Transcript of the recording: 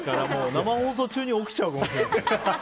生放送中に起きちゃうかもしれないです。